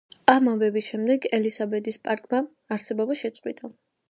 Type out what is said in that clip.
ამ ამბების შემდეგ ელისაბედის პარკმა არსებობა შეწყვიტა.